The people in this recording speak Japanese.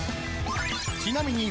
［ちなみに］